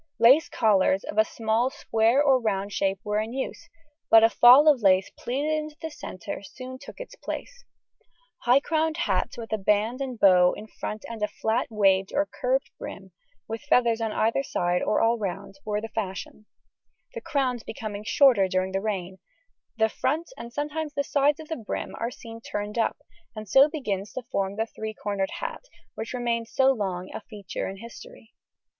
Lace collars of a smaller square or rounded shape were in use, but a fall of lace pleated in the centre soon took its place. High crowned hats with a band and bow in front and a flat, waved, or curved brim, with feathers on either side or all round, were the fashion, the crowns becoming shorter during the reign; the fronts and sometimes the sides of the brim are seen turned up, and so begins to form the three cornered hat, which remained so long a feature in history.